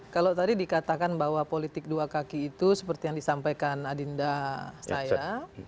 kalau tadi dikatakan bahwa politik dua kaki itu seperti yang disampaikan adinda saya